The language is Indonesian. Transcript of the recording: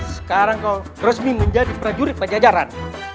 sekarang kau resmi menjadi prajurit pajajaran